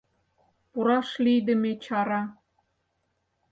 Пураш лийдыме, чара;